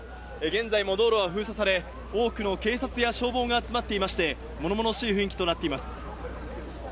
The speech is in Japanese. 現在も道路は封鎖され多くの警察や消防が集まっていまして物々しい雰囲気となっています。